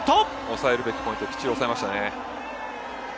抑えるべきポイントきっちり抑えましたね。